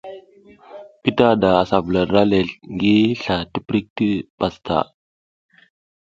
Bitada asa vula ndra lezl ngi sla tiprik pastaʼa.